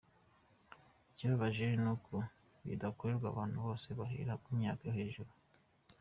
Ikibabaje ni uko bidakorerwa abantu bose bahera ku myaka yo hejuru.